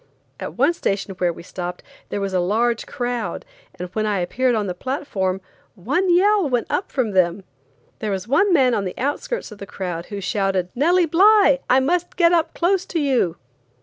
At one station where we stopped there was a large crowd, and when I appeared on the platform, one yell went up from them. There was one man on the outskirts of the crowd who shouted: "Nellie Bly, I must get up close to you!"